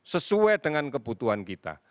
sesuai dengan kebutuhan kita